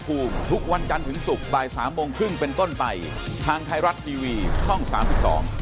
ผมไม่เคยอยากได้แก้อะไรฝั่งหูมีหู